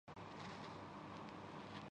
پاکستان میں جمہوری ادارے قائم ہیں۔